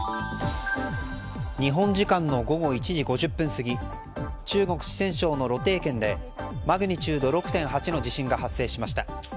日本時間の午後１時５０分過ぎ中国・四川省の濾定県でマグニチュード６．８の地震が発生しました。